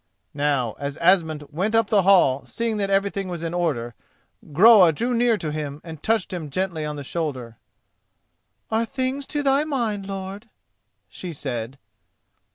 Now as Asmund went up the hall seeing that everything was in order, Groa drew near to him and touched him gently on the shoulder. "Are things to thy mind, lord?" she said.